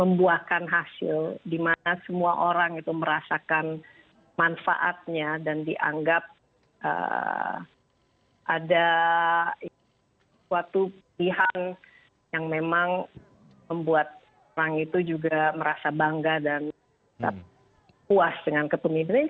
membuahkan hasil di mana semua orang itu merasakan manfaatnya dan dianggap ada suatu pilihan yang memang membuat orang itu juga merasa bangga dan puas dengan kepemimpinan